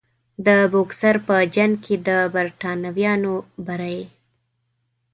د بوکسر په جنګ کې د برټانویانو بری.